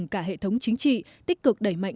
và hệ thống chính trị tích cực đẩy mạnh